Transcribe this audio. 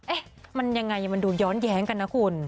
เอ๊ะมันยังไงมันดูย้อนแย้งกันนะคุณ